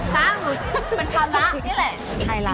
ช้าหนูเป็นภาระนี่แหละ